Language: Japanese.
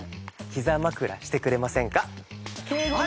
膝枕してくれませんか？